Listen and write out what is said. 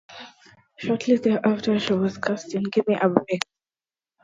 Shortly thereafter, she was cast in "Gimme a Break".